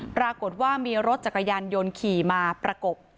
ปรากฏว่ามีรถจักรยานยนต์ขี่มาประกบ